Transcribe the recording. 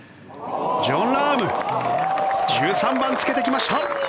ジョン・ラーム１３番、つけてきました！